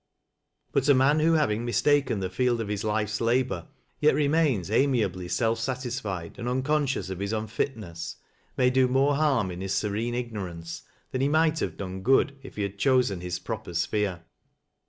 But a man who, having mistaken the field of hi« life's labor, yet remains amiably self satisfied, and uncon Ecious of his unfitness, may do more harm in his serene ignorance than he might have done good if he had chosen his proper sphere.